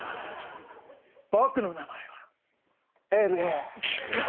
僕の名前はＬＬ！